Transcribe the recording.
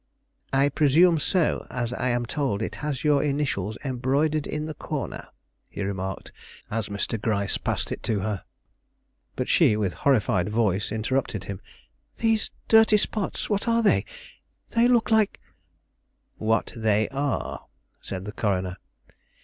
"I presume so, as I am told it has your initials embroidered in the corner," he remarked, as Mr. Gryce passed it to her. But she with horrified voice interrupted him. "These dirty spots! What are they? They look like "" what they are," said the coroner.